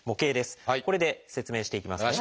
これで説明していきます。